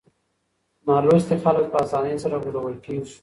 نالوستي خلک په اسانۍ سره غولول کېږي.